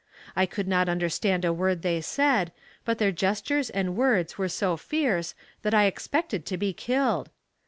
I could not understand a word they said, but their gestures and words were so fierce that I expected to be killed.